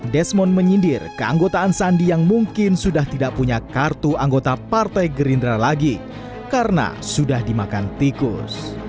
desmond menyindir keanggotaan sandi yang mungkin sudah tidak punya kartu anggota partai gerindra lagi karena sudah dimakan tikus